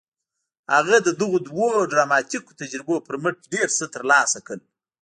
هغه د دغو دوو ډراماتيکو تجربو پر مټ ډېر څه ترلاسه کړل.